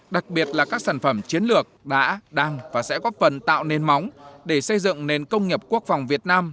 đặc biệt là các sản phẩm chiến lược đã đang và sẽ góp phần tạo nền móng để xây dựng nền công nghiệp quốc phòng việt nam